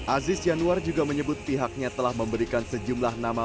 aziz yanuar juga menyebut pihaknya telah memberikan sejumlah nama